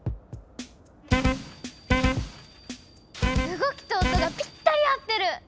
動きと音がぴったり合ってる！